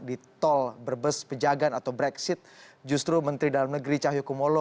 di tol brebes pejagan atau brexit justru menteri dalam negeri cahyokumolo